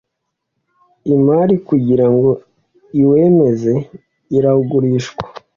Imari kugira ngo iwemeze iragurishwa